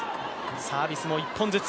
サービスも１本ずつ。